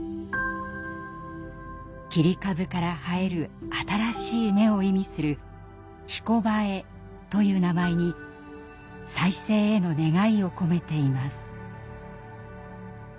切り株から生える新しい芽を意味する「ひこばえ」という名前に再生への願いを込めています。